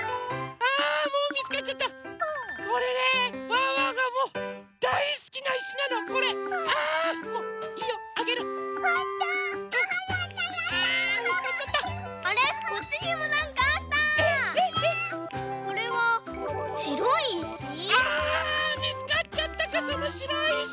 あみつかっちゃったかそのしろいいし。